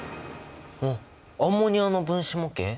おっアンモニアの分子模型？